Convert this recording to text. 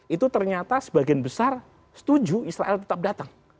itu ternyata sebagian besar setuju israel tetap datang